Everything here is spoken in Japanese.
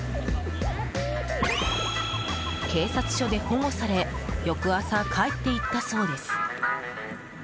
警察署で保護され翌朝、帰っていったそうです。